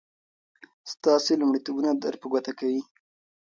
ستاسې لومړيتوبونه در په ګوته کوي.